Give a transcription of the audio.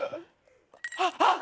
あっあっ！？